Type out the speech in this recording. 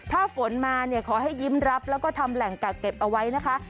ถ้าฝนมาเนี่ยขอให้ยิ้มรับแล้วก็ทำแหล่งกักเก็บเอาไว้นะคะ